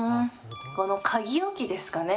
この鍵置きですかね。